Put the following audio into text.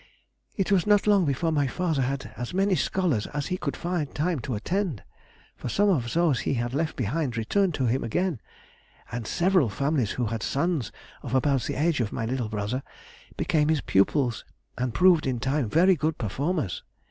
"It was not long before my father had as many scholars as he could find time to attend, for some of those he had left behind returned to him again, and several families who had sons of about the age of my little brother, became his pupils and proved in time very good performers.